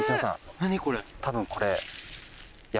何これ。